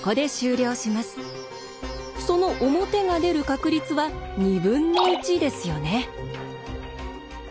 その表が出る確率は２分の１ですよね。